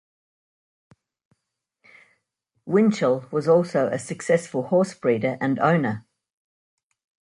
Winchell was also a successful horse breeder and owner.